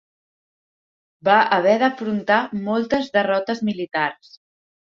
Va haver d'afrontar moltes derrotes militars.